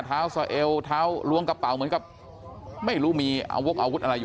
เท้าสะเอวเท้าล้วงกระเป๋าเหมือนกับไม่รู้มีอาวกอาวุธอะไรอยู่